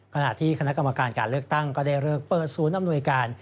ขณะที่คณะกรรมการการเลือกตั้งก็ได้เลิกเปิดศูนย์อำนวยการ